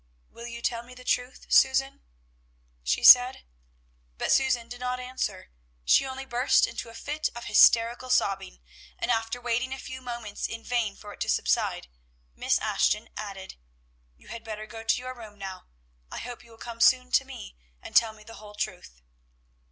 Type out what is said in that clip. "Will you tell me the truth, Susan?" she said. But Susan did not answer; she only burst into a fit of hysterical sobbing, and after waiting a few moments in vain for it to subside, Miss Ashton added, "You had better go to your room now. I hope you will come soon to me, and tell me the whole truth."